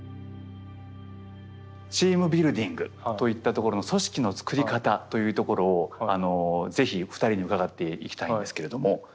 チームビルディングといったところの組織の作り方というところを是非２人に伺っていきたいんですけれども。